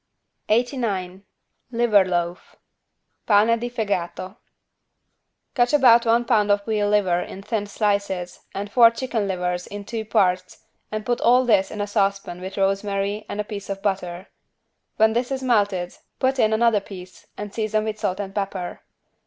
89 LIVER LOAF (Pane di fegato) Cut about one pound of veal liver in thin slices and four chicken livers in two parts and put all this in a saucepan with rosemary and a piece of butter. When this is melted put in another piece and season with salt and pepper.